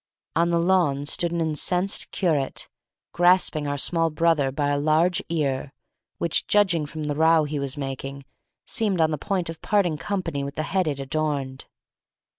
On the lawn stood an incensed curate, grasping our small brother by a large ear, which judging from the row he was making seemed on the point of parting company with the head it adorned.